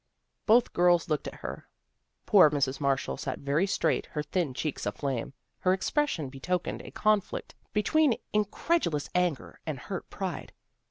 Both girls looked at her. Poor Mrs. Marshall sat very straight, her thin cheeks aflame. Her expression betokened a conflict between incredulous anger and hurt pride.